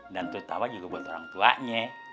dan terutama juga buat orang tuanya